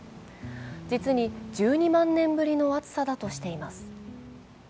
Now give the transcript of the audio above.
実に１２万年ぶりの暑さだとしています。